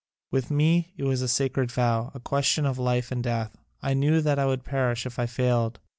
With me it was a sacred vow, a question of life and death. I knew that I would perish if I failed.